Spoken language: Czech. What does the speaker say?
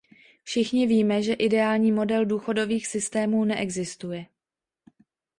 Všichni víme, že ideální model důchodových systémů neexistuje.